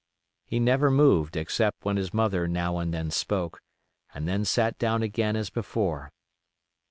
He never moved except when his mother now and then spoke, and then sat down again as before.